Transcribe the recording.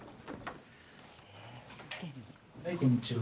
はいこんにちは。